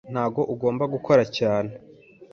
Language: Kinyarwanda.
ntabwo agomba gukora cyane.